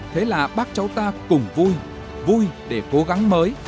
thế là bác cháu ta cùng vui vui để cố gắng mới